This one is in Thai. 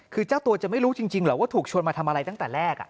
คือเจ้าตัวจะไม่รู้จริงเหรอว่าถูกชวนมาทำอะไรตั้งแต่แรก